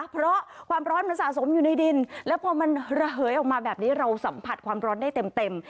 เพราะความร้อนมันสะสมอยู่ในดินแล้วพอมันระเหยออกมาแบบนี้เราสัมผัสความร้อนได้เต็ม